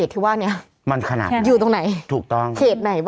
พี่ขับรถไปเจอแบบ